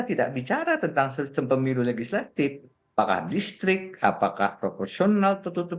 tidak bicara tentang sistem pemilu legislatif apakah distrik apakah profesional tutup tutup